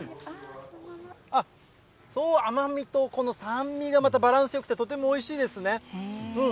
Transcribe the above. あっ、甘みとこの酸味がまたバランスよくて、とてもおいしいですね。